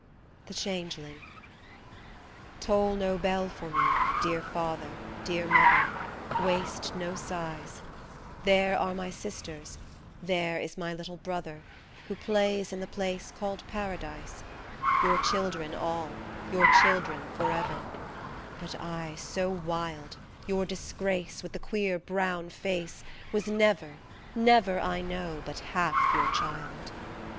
26 THE CHANGELING TOLL no bell for me, dear Father, dear Mother, Waste no sighs ; There are my sisters, there is my little brother Who plays in the place called Paradise, Your children all, your children for ever ; But I, so wild, Your disgrace, with the queer brown face, was never, Never, I know, but half your child